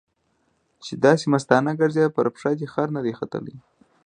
چې داسې مستانه ګرځې؛ پر پښه دې خر نه دی ختلی.